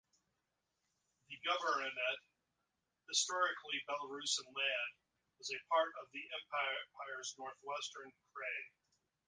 The governorate, historically Belarusian land, was a part of the Empire's Northwestern Krai.